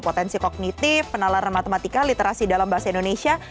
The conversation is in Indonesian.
potensi kognitif penalaran matematika literasi dalam bahasa indonesia